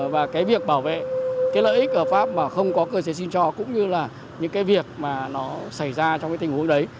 và cái việc bảo vệ cái lợi ích hợp pháp mà không có cơ chế xin cho cũng như là những cái việc mà nó xảy ra trong cái tình huống đấy